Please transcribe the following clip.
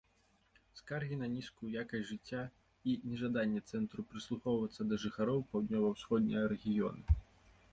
Скаргі на нізкую якасць жыцця і нежаданне цэнтру прыслухоўвацца да жыхароў паўднёва-усходняга рэгіёну.